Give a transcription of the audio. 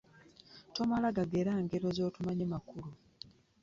Tomala gagera ngero z'otamanyi makulu.